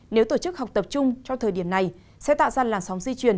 nếu tổ chức học tập chung trong thời điểm này sẽ tạo ra làn sóng di chuyển